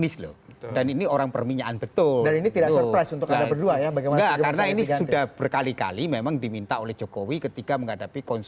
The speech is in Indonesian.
complaint gagal untuk kemurahan